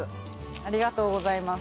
ありがとうございます。